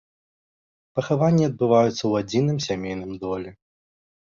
Пахаванні адбываюцца ў адзіным сямейным доле.